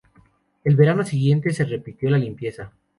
El verano siguiente se repitió la limpieza.